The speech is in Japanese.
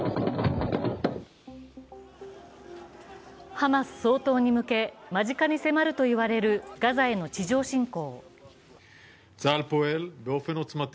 ハマス掃討に向け、間近に迫ると言われるガザへの地上侵攻。